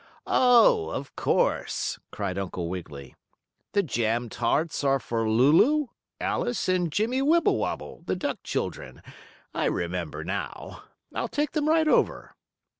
"Oh, of course!" cried Uncle Wiggily. "The jam tarts are for Lulu, Alice and Jimmie Wibblewobble, the duck children. I remember now. I'll take them right over."